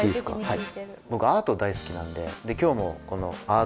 はい。